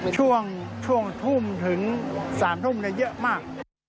ช่วงทุ่มถึง๓ทุ่มเยอะมาก